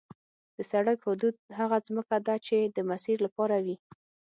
د سړک حدود هغه ځمکه ده چې د مسیر لپاره وي